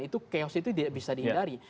itu chaos itu tidak bisa dihindari